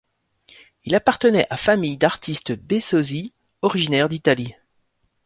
Il appartenait à famille d'artistes Besozzi, originaires d'Italie.